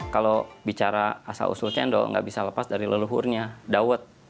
kalau bicara asal usul cendol nggak bisa lepas dari leluhurnya dawet